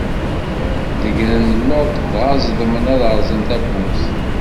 Deggren Luṭ, dɣa ẓedmen ad rẓen tabburt.